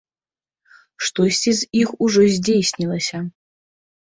Штосьці з іх ужо здзейснілася.